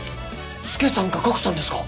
助さんか格さんですか？